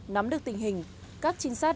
nắm được tình hình các chính sát đã tìm